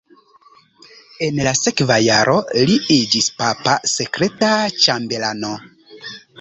En la sekva jaro li iĝis papa sekreta ĉambelano.